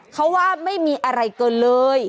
เขาว่าไม่มีอะไรเกินเลย